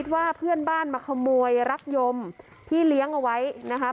ว่าเพื่อนบ้านมาขโมยรักยมที่เลี้ยงเอาไว้นะคะ